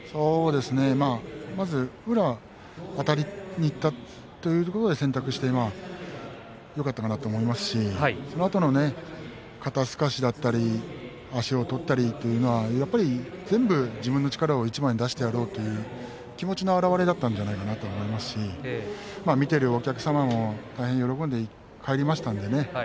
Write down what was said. まず宇良あたりにいったということを選択してよかったかなと思いますしそのあとの肩すかしだったり足を取ったりというのはやっぱり全部、自分の力をいちばんに出してやろうという気持ちの表れだったんじゃないかなと思いますし見ているお客様も大変喜んで帰りましたのでね